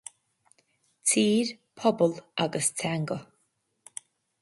Tír, Pobal agus Teanga